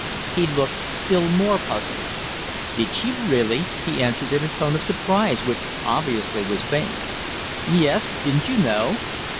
He looked still more puzzled. "Did she really?" he answered in a tone of surprise which obviously was feigned. "Yes. Didn't you know?"